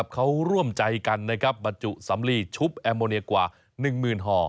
เขาร่วมใจกันบรรจุสำลีชุบแอมโมเนียกว่า๑๐๐๐ห่อ